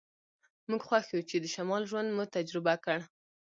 موږ خوښ یو چې د شمال ژوند مو تجربه کړ